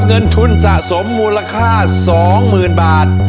เงินทุนสะสมมูลค่า๒๐๐๐บาท